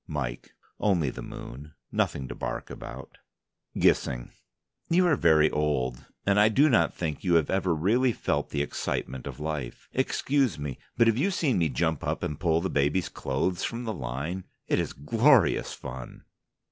MIKE: Only the moon, nothing to bark about. GISSING: You are very old, and I do not think you have ever really felt the excitement of life. Excuse me, but have you seen me jump up and pull the baby's clothes from the line? It is glorious fun.